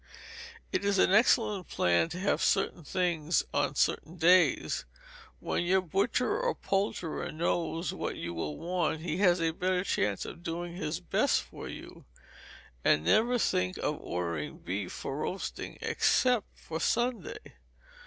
It is an excellent plan to have certain things on certain days. When your butcher or poulterer knows what you will want, he has a better chance of doing his best for you; and never think of ordering beef for roasting except for Sunday.